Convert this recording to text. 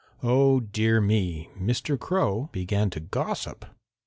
Oh, dear me, Mr. Crow began to gossip.